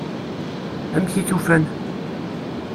Amek i t-ufan?